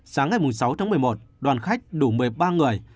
sáng ngày sáu tháng một mươi một đoàn khách đủ một mươi ba người